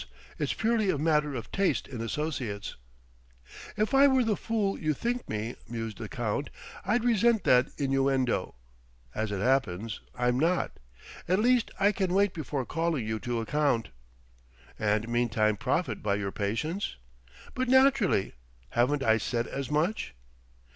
It's purely a matter of taste in associates." "If I were the fool you think me," mused the Count "I'd resent that innuendo. As it happens, I'm not. At least, I can wait before calling you to account." "And meantime profit by your patience?" "But naturally. Haven't I said as much?"